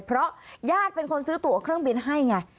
เพราะญาติเป็นคนซื้อตัวเครื่องบินให้ไง